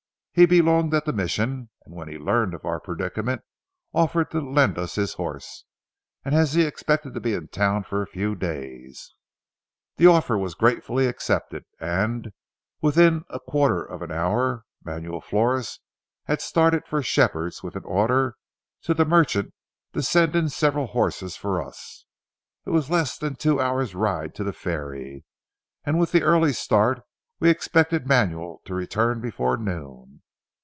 He belonged at the Mission, and when he learned of our predicament offered to lend us his horse, as he expected to be in town a few days. The offer was gratefully accepted, and within a quarter of an hour Manuel Flores had started for Shepherd's with an order to the merchant to send in seven horses for us. It was less than a two hours' ride to the ferry, and with the early start we expected Manuel to return before noon.